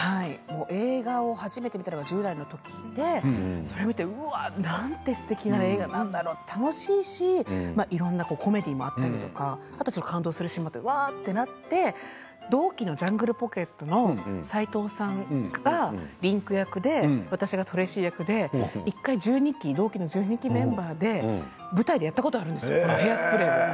映画を初めて見たのは１０代の時で、それを見てなんてすてきな映画なんだろうって楽しいし、いろいろなコメディーもあったりとか、あと感動するシーンもあったりとかでうわあ！っとなって同期のジャングルポケットの斉藤さんがリンク役で私がトレイシー役で１回、同期の１２期メンバーで舞台でやったことがあるんです「ヘアスプレー」を。